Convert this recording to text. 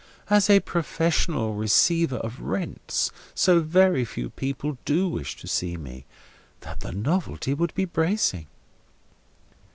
As a professional Receiver of rents, so very few people do wish to see me, that the novelty would be bracing."